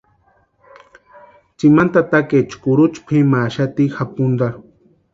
Tsimani tatakaecha kurucha pʼimaxati japuntarhu.